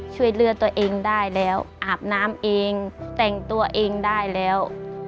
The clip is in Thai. ช่วยเลือดตัวเองได้แล้วอาบน้ำเองแต่งตัวเองได้แล้ว